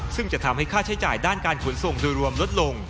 ซึ่งจะทำให้ค่าใช้จ่ายด้านการขนส่งโดยรวมลดลง